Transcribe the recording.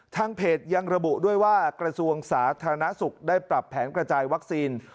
ทางเพจยังระบุด้วยว่ากระทรวงสาธารณสุขได้ปรับแผนกระจายวัคซีน